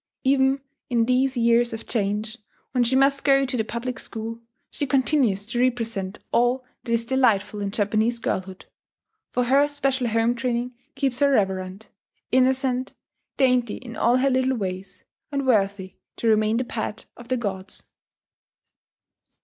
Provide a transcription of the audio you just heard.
Even in these years of change, when she must go to the public school, she continues to represent all that is delightful in Japanese girlhood; for her special home training keeps her reverent, innocent, dainty in all her little ways, and worthy to remain the pet of the gods.